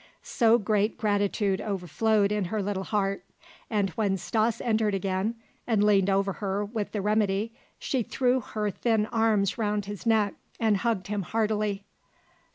So great gratitude overflowed in her little heart, and when Stas entered again and leaned over her with the remedy she threw her thin arms around his neck and hugged him heartily.